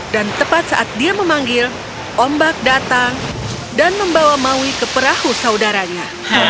dan tepat saat dia memanggil ombak datang dan membawa maui ke perahu saudaranya